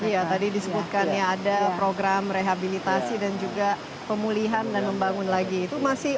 iya tadi disebutkan ya ada program rehabilitasi dan juga pemulihan dan membangun lagi itu masih